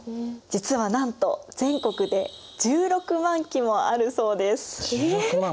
実はなんと全国で１６万基もあるそうです。え！？１６万！？